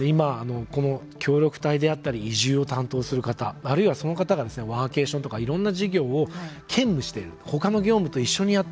今協力隊であったり移住を担当する方あるいはその方がワーケーションとかいろんな事業を兼務している。